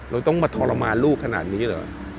เราต้องมาทรมานลูกขนาดนี้เหรอ